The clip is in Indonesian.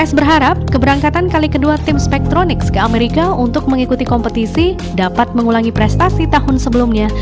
s berharap keberangkatan kali kedua tim spektronics ke amerika untuk mengikuti kompetisi dapat mengulangi prestasi tahun sebelumnya